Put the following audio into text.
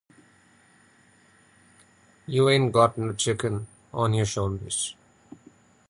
You ain't got no chicken on your shoulders.